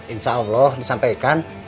insya allah disampaikan